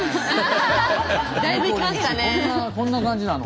こんな感じなの？